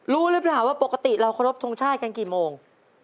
รู้หรือเปล่าว่าปกติเราเคารพทรงชาติกันกี่โมง